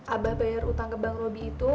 abah bayar utang ke bang robi itu